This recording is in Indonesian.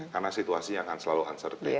karena situasi yang akan selalu uncertain